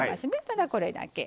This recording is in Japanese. ただこれだけ。